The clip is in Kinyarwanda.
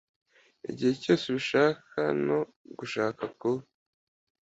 igihe cyose ubishakano gushaka kuba